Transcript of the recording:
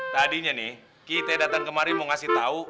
tadinya nih kita datang kemari mau kasih tahu